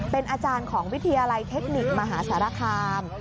เป็นอาจารย์ของวิทยาลัยเทคนิคมหาสารคาม